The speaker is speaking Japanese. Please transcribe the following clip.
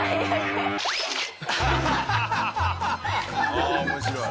ああ面白い。